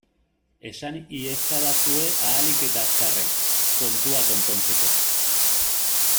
Esan iezadazue ahalik eta azkarren, kontua konpontzeko!